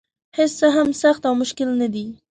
هېڅ څه هم سخت او مشکل نه دي.